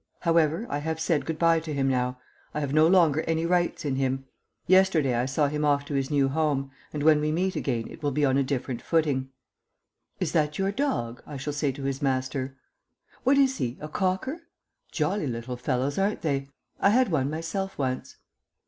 However, I have said good bye to him now; I have no longer any rights in him. Yesterday I saw him off to his new home, and when we meet again it will be on a different footing. "Is that your dog?" I shall say to his master. "What is he? A Cocker? Jolly little fellows, aren't they? I had one myself once."